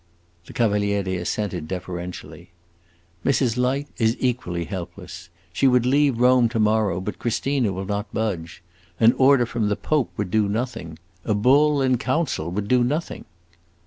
The Cavaliere assented, deferentially. "Mrs. Light is equally helpless. She would leave Rome to morrow, but Christina will not budge. An order from the Pope would do nothing. A bull in council would do nothing."